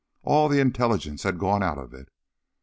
All the intelligence had gone out of it.